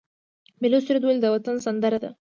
ملي سرود ولې د وطن سندره ده؟